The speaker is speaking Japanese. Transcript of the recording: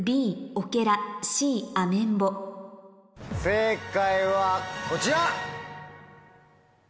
正解はこちら！